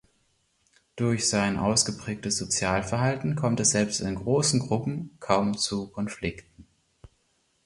Durch sein ausgeprägtes Sozialverhalten kommt es selbst in großen Gruppen kaum zu Konflikten.